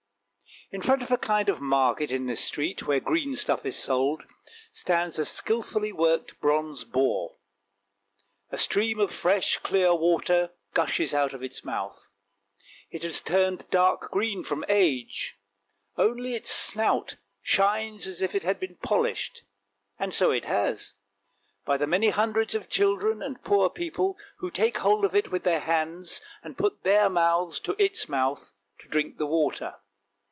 In front of a kind of market in this street, where green stuff is sold, stands a skilfully worked bronze boar. A stream of fresh clear water gushes out of its mouth; it has turned dark green from age, only its snout shines as if it had been polished; and so it has by the many hundreds of children and poor people who take hold of it with their hands and put their mouths to its mouth to drink the water.